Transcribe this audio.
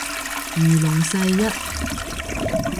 如龍世一